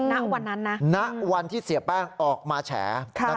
ณวันนั้นนะครับนะครับณวันที่เสียแป้งออกมาแฉ